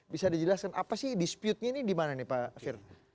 bisa dijelaskan apa sih disputenya ini di mana nih pak fir